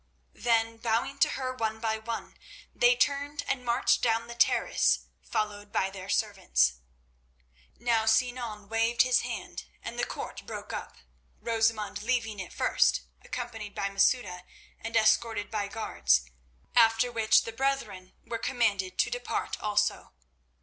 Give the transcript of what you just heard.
Then, bowing to her one by one, they turned and marched down the terrace followed by their servants. Now Sinan waved his hand and the court broke up, Rosamund leaving it first, accompanied by Masouda and escorted by guards, after which the brethren were commanded to depart also.